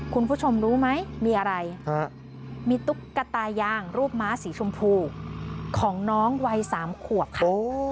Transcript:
คุณผู้ชมรู้ไหมมีอะไรมีตุ๊กตายางรูปม้าสีชมพูของน้องวัย๓ขวบค่ะ